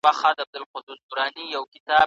خوارسومه انجام مي